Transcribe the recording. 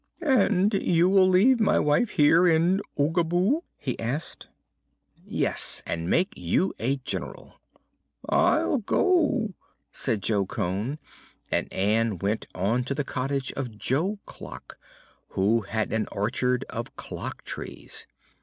"And you will leave my wife here in Oogaboo?" he asked. "Yes; and make you a General." "I'll go," said Jo Cone, and Ann went on to the cottage of Jo Clock, who had an orchard of clock trees.